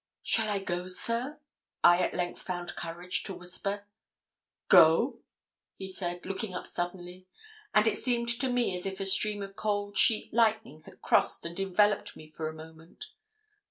'Shall I go, sir?' I at length found courage to whisper. 'Go?' he said, looking up suddenly; and it seemed to me as if a stream of cold sheet lightning had crossed and enveloped me for a moment.